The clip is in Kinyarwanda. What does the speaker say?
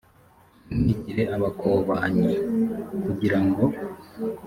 ntimwigire abakobanyi r kugira ngo